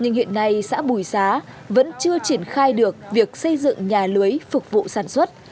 nhưng hiện nay xã bùi xá vẫn chưa triển khai được việc xây dựng nhà lưới phục vụ sản xuất